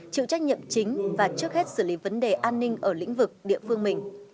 chịu trách nhiệm chính và trước hết xử lý vấn đề an ninh ở lĩnh vực địa phương mình